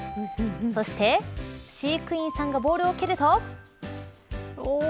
そして飼育員さんがボールを蹴ると。